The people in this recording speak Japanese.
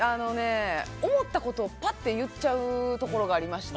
思ったことを、パッと言っちゃうところがありまして。